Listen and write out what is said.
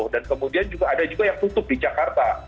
dan kemudian ada juga yang tutup di jakarta